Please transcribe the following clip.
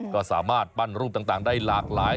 ก็สามารถปั้นรูปต่างได้หลากหลาย